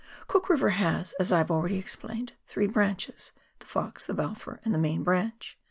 Cook River has, as I have already explained, three branches .— the Fox, the Balfour, and the main branch.